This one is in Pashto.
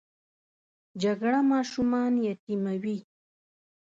جګړه ماشومان یتیموي